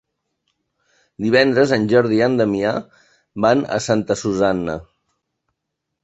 Divendres en Jordi i en Damià van a Santa Susanna.